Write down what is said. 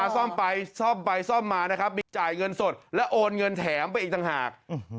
ซ่อมไปซ่อมไปซ่อมมานะครับมีจ่ายเงินสดและโอนเงินแถมไปอีกต่างหาก